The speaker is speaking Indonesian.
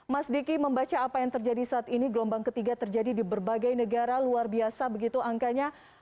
mas diki membaca apa yang terjadi saat ini gelombang ketiga terjadi di berbagai negara luar biasa begitu angkanya